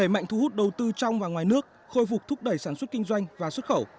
mạnh thu hút đầu tư trong và ngoài nước khôi phục thúc đẩy sản xuất kinh doanh và xuất khẩu